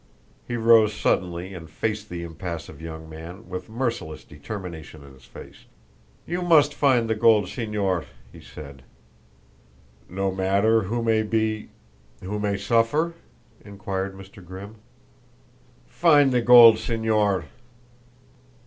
He rose suddenly and faced the impassive young man, with merciless determination in his face. "You must find the gold, Señor," he said. "No matter who may be who may suffer?" inquired Mr. Grimm. "Find the gold, Señor!"